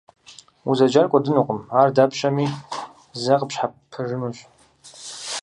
Узэджар кӀуэдынукъым, ар дапщэми зэ къыпщхьэпэжынущ.